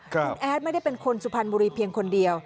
คุณแอดไม่ได้เป็นคนสุพรรณบุรีเพียงคนเดียว